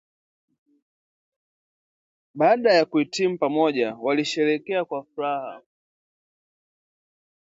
Baada ya kuhitimu pamoja walisherekea kwa furaha